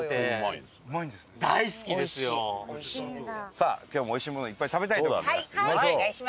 さあ今日もおいしいものいっぱい食べたいと思います。